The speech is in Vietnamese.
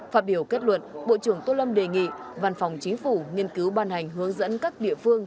phát biểu kết luận bộ trưởng tô lâm đề nghị văn phòng chính phủ nghiên cứu ban hành hướng dẫn các địa phương